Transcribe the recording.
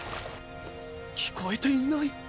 聞こえていない？